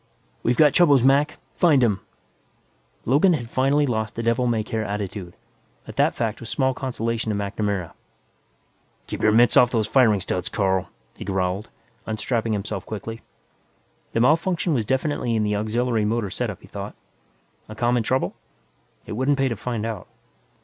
"We've got troubles, Mac find 'em!" Logan had finally lost the devil may care attitude, but that fact was small consolation to MacNamara. "Keep your mitts off those firing studs, Carl," he growled, unstrapping himself quickly. The malfunction was definitely in the auxiliary motor setup, he thought. A common trouble? It wouldn't pay to find out.